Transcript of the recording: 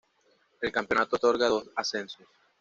El campeonato otorga dos ascensos.